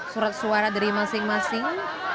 surat suara dari masing masing